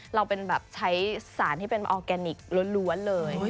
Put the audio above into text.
เราใช้สารที่เป็นออร์แกนิคล้วนเลย